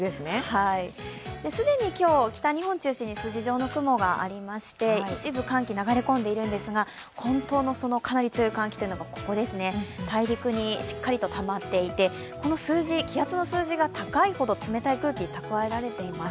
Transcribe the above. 既に今日、北日本を中心に筋状の雲がありまして一部寒気、流れ込んでいるんですが本当のかなり強い寒気がここですね、大陸にしっかりとたまっていてこの数字、気圧の数字が高いほど冷たい空気が蓄えられています。